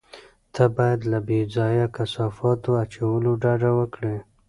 ته باید له بې ځایه کثافاتو اچولو ډډه وکړې.